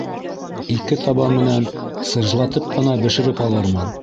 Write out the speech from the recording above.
Ике таба менән сыжлатып ҡына бешереп алырмын.